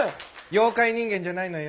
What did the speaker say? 妖怪人間じゃないのよ。